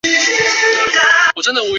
因此辉钼矿易解理。